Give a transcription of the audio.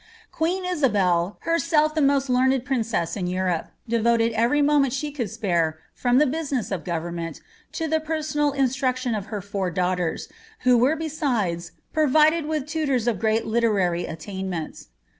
Queen Isabel, herself the most learned princess in Europe, devoted every moment she could spare from the business of government to the personal instruction of her four daughters, who were besides provided with tutors of great literary attainments.